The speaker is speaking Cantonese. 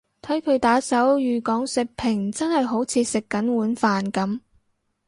睇佢打手語講食評真係好似食緊碗飯噉